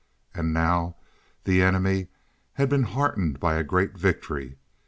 And now the enemy had been heartened by a great victory.